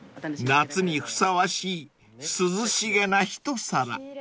［夏にふさわしい涼しげな一皿］